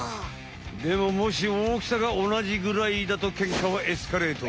でももし大きさがおなじぐらいだとケンカはエスカレート！